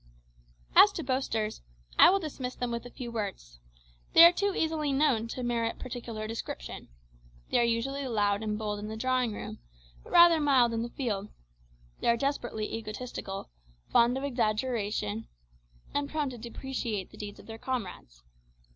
As to boasters, I will dismiss them with a few words. They are too easily known to merit particular description. They are usually loud and bold in the drawing room, but rather mild in the field. They are desperately egotistical, fond of exaggeration, and prone to depreciate the deeds of their comrades.